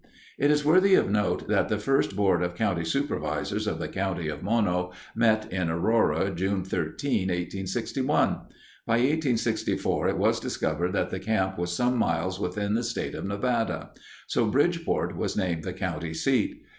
It is worthy of note that the first board of county supervisors of the county of Mono met in Aurora, June 13, 1861. By 1864 it was discovered that the camp was some miles within the state of Nevada; so Bridgeport was named the county seat.